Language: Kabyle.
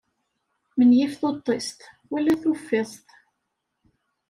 Menyif tuṭṭist wala tuffiẓt.